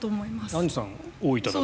アンジュさんは大分だから。